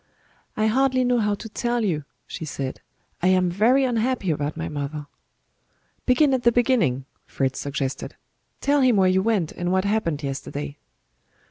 "I hardly know how to tell you," she said. "I am very unhappy about my mother." "Begin at the beginning," Fritz suggested; "tell him where you went, and what happened yesterday."